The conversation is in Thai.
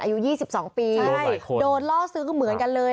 อายุ๒๒ปีโดนล่อซื้อก็เหมือนกันเลย